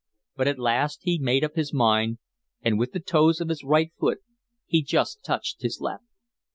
But at last he made up his mind, and with the toes of his right foot he just touched his left.